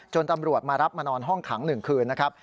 ตำรวจมารับมานอนห้องขัง๑คืนนะครับ